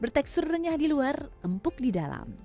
bertekstur renyah di luar empuk di dalam